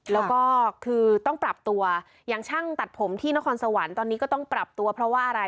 แล้วก็คือต้องปรับตัวอย่างช่างตัดผมที่นครสวรรค์ตอนนี้ก็ต้องปรับตัวเพราะว่าอะไร